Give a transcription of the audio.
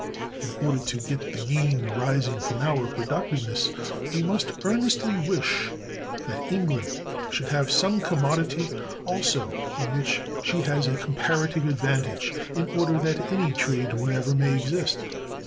In order to get the gain arising from our productiveness, we must earnestly wish that England should have some commodity also in which she has a comparative advantage, in order that any trade whatever may exist.